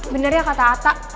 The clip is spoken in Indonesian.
bener ya kata ata